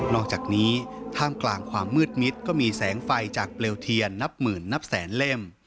อกจากนี้ท่ามกลางความมืดมิดก็มีแสงไฟจากเปลวเทียนนับหมื่นนับแสนเล่ม